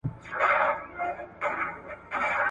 زه کولای سم سپينکۍ پرېولم!؟